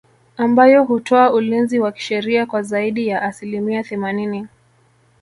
Ambayo hutoa ulinzi wa kisheria kwa zaidi ya asilimia themanini